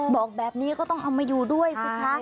บอกแบบนี้ก็ต้องเอามาอยู่ด้วยสิคะ